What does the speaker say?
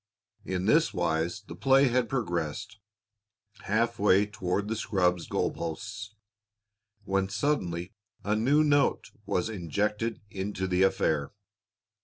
In this wise the play had progressed half way toward the scrub's goal posts when suddenly a new note was injected into the affair.